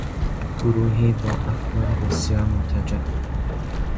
گروهی با افکار بسیار مرتجع